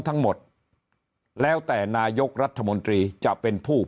ทั้งหมดแล้วแต่นายกรัฐมนตรีจะเป็นผู้